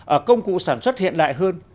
ở công cụ sản xuất hiện đại hơn